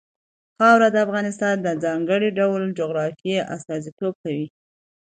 خاوره د افغانستان د ځانګړي ډول جغرافیه استازیتوب کوي.